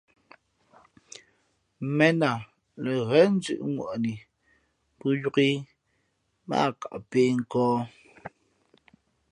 ̀mēn a lα ghén zʉ̄ʼŋwαni pō yōk ǐ mά ǎ kα pēh nkᾱᾱ.